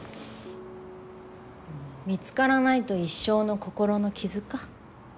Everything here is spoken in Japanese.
見つからないと一生の心の傷か。